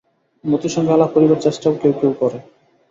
মতির সঙ্গে আলাপ করিবার চেষ্টাও কেউ কেউ করে।